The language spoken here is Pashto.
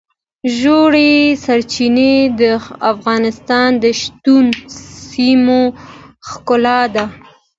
ژورې سرچینې د افغانستان د شنو سیمو ښکلا ده.